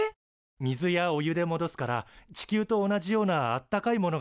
水やお湯でもどすから地球と同じようなあったかいものが食べられるらしいよ。